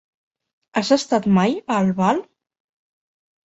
Has estat mai a Albal?